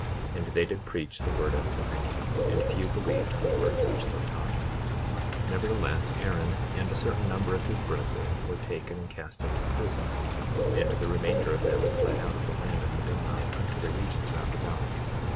And they did preach the word unto many, and few believed on the words which they taught. 21:13 Nevertheless, Aaron and a certain number of his brethren were taken and cast into prison, and the remainder of them fled out of the land of Middoni unto the regions round about.